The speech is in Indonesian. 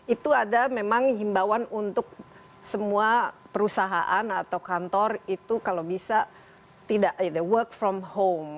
itu ada memang himbawan untuk semua perusahaan atau kantor itu kalau bisa tidak work from home